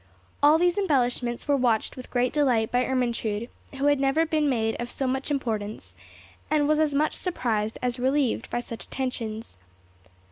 All these embellishments were watched with great delight by Ermentrude, who had never been made of so much importance, and was as much surprised as relieved by such attentions.